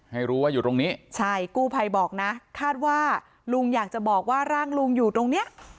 ให้รู้ว่าอยู่ตรงนี้ใช่กู้ภัยบอกนะคาดว่าลุงอยากจะบอกว่าร่างลุงอยู่ตรงเนี้ย